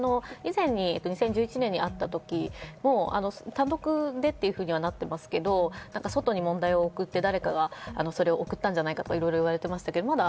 以前、２０１１年にあった時も単独でというふうになってますけど、外に問題を送って、誰かがそれを送ったんじゃないかとか、いろいろ言われてました。